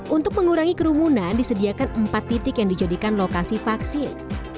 untuk mengurangi kerumunan disediakan empat titik yang dijadikan lokasi vaksin